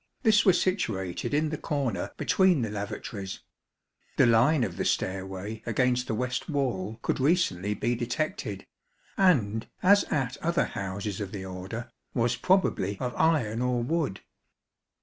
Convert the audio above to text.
This was situated in the corner between the lavatories ; the line of the stairway against the west wall could recently be detected, and, as at other houses of the Order, was probably of iron or wood.